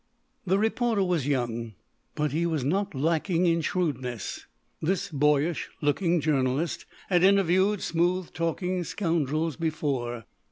The reporter was young, but he was not lacking in shrewdness. This boyish looking journalist had interviewed smooth talking scoundrels before.